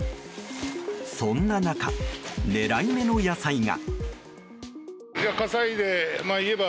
そんな中、ねらい目の野菜が。